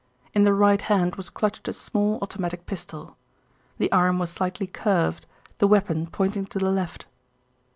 In the right hand was clutched a small, automatic pistol. The arm was slightly curved, the weapon pointing to the left.